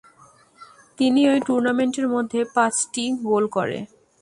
তিনি ওই টুর্নামেন্ট এর মধ্যে পাঁচটি গোল করে।